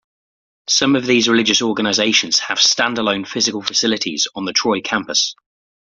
Some of these religious organizations have stand-alone physical facilities on the Troy campus.